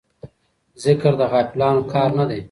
ذکر د غافلانو کار نه دی.